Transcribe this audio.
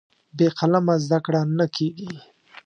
بې قلمه زده کړه نه کېږي.